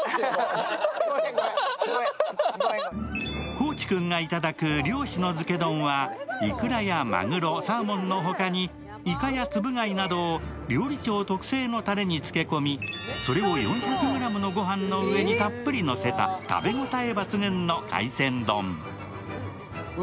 高地君がいただく漁師の漬け丼はいくらやまぐろサーモンのほかにいかやつぶ貝などを料理長特製のたれに漬け込みそれを４００ｇのご飯の上にたっぷりのせた食べ応え抜群の海鮮丼。